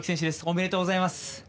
おめでとうございます。